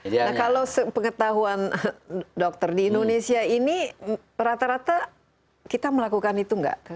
nah kalau pengetahuan dokter di indonesia ini rata rata kita melakukan itu nggak